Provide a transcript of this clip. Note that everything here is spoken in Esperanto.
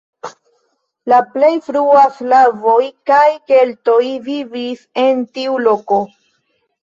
La plej frue slavoj kaj keltoj vivis en tiu loko.